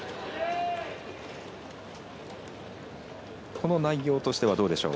この内容としてはどうでしょう。